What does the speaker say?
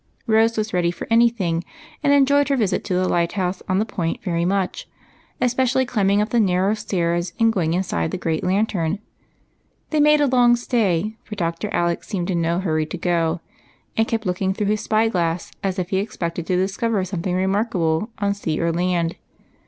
Rose was ready for any thing, and enjoyed her visit to the light house on the Point very much, especially climbing up the narrow stairs and going inside the great lantern. They made a long stay, for Dr. Alec seemed in no hurry to go, and kept looking through his spy glass as if he expected to discover something remarkable on sea or land.